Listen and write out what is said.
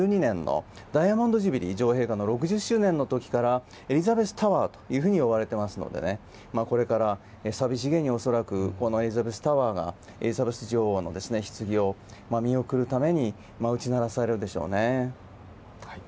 ダイヤモンド・ジュビリー女王陛下の６０周年の時からエリザベスタワーと呼ばれていますのでこれから寂しげにエリザベスタワーがエリザベス女王のひつぎを見送るために打ち鳴らされるでしょうね。